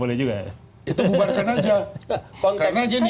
itu bubarkan saja